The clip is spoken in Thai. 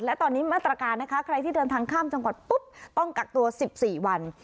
และตอนนี้มาตรการนะคะใครที่เดินทางข้ามจังหวัดปุ๊บต้องกักตัว๑๔วัน